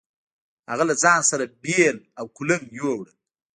هغه له ځان سره بېل او کُلنګ يو وړل.